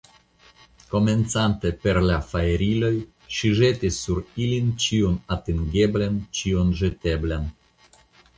Komencante per la fajriloj, ŝi ĵetis sur ilin ĉion atingeblan, ĉion ĵeteblan.